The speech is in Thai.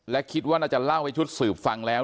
และคิดว่าน่าจะเล่าให้ชุดสืบฟังแล้ว